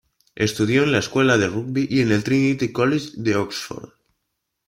Estudió en la Escuela de Rugby y en el Trinity College de Oxford.